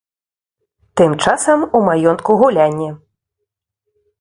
Тым часам у маёнтку гулянне.